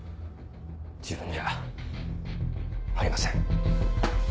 自分じゃありません。